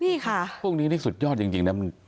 นี่ค่ะพวกนี้นี่สุดยอดจริงนะ